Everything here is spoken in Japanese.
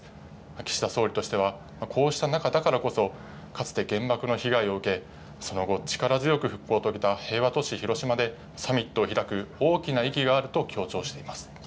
岸田総理としては、こうした中だからこそ、かつて原爆の被害を受け、その後、力強く復興を遂げた平和都市、広島でサミットを開く大きな意義があると強調しています。